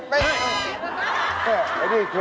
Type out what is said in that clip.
แล้วยังไม่ใช่อุ้งกิทย์